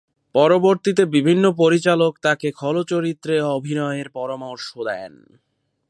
পরবর্তীতে বিভিন্ন পরিচালক তাকে খলচরিত্রে অভিনয়ের পরামর্শ দেন।